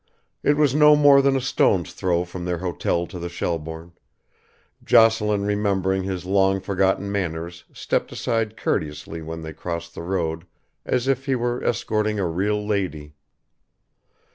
It was no more than a stone's throw from their hotel to the Shelbourne, Jocelyn remembering his long forgotten manners stepped aside courteously when they crossed the road as if he were escorting a real lady.